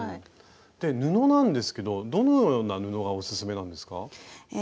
布なんですけどどのような布がオススメなんですか？